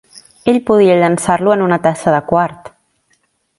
Ell podia llençar-lo en una tassa de quart.